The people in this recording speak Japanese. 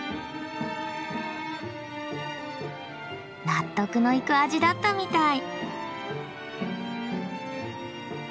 納得のいく味だったみたい。